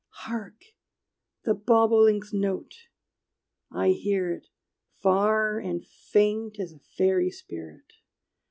Hark, the bobolink's note! I hear it, Far and faint as a fairy spirit!